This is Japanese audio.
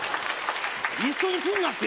一緒にすんなって！